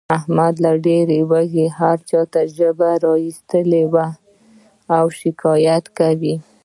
احمد له ډېر لوږې هر چاته ژبه را ایستلې وي او شکایت کوي.